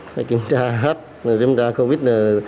kiểm tra hết